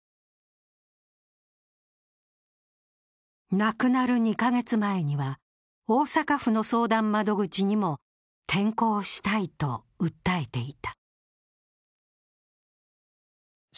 亡くなる２か月前には大阪府の相談窓口にも転校したいと訴えていた。